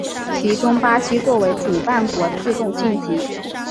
其中巴西作为主办国自动晋级。